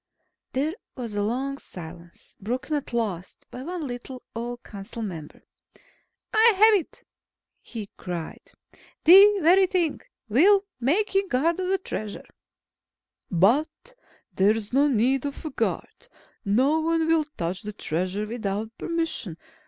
There was a long silence, broken at last by one little, old council member. "I have it," he cried. "The very thing. We'll make him guard of the Treasure." "But there's no need of a guard. No one will touch the Treasure without permission.